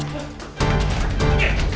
apa lo penjahat